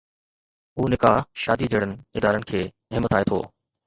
هو نڪاح شادي جهڙن ادارن کي همٿائي ٿو.